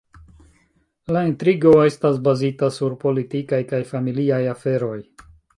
La intrigo estas bazita sur politikaj kaj familiaj aferoj.